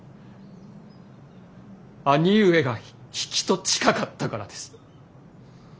兄上が比企と近かったからです。